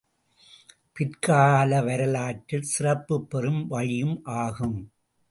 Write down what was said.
பிற்கால வரலாற்றில் சிறப்புப் பெறும் வழியும் ஆகும்.